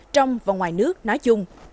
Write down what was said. trong và ngoài nước nói chung